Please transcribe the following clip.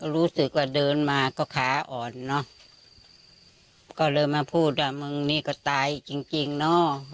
รู้สึกว่าเดินมาก็ขาอ่อนเนอะก็เลยมาพูดว่ามึงนี่ก็ตายจริงจริงเนอะ